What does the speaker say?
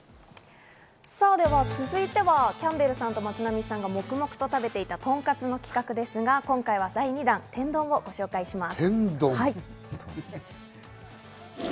続いてはキャンベルさんと松並さんが黙々と食べていた、とんかつの企画ですが、今回は第２弾、天丼をご紹介します。